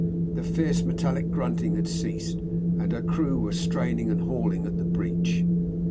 The fierce metallic grunting had ceased, and her crew were straining and hauling at the breech.